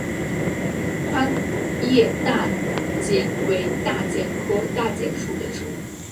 宽叶大戟为大戟科大戟属的植物。